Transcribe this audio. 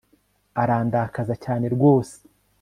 arandakaza cyane rwose